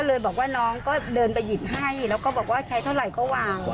เลยบอกว่าน้องก็เดินไปหยิบให้แล้วก็บอกว่าใช้เท่าไหร่ก็วาง